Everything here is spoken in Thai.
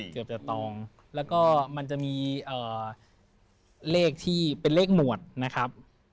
เกือบจะตองแล้วก็มันจะมีเลขที่เป็นเลขหมวดนะครับ